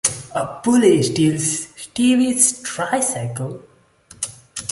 A bully steals Stewie's tricycle.